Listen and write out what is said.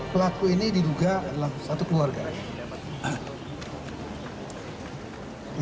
pelaku ini diduga adalah satu keluarga